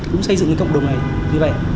cũng xây dựng cái cộng đồng này như vậy